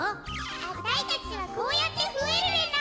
あたいたちはこうやってふえるレナ。